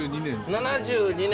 ７２年。